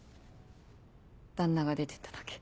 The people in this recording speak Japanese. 旦那が出てっただけ。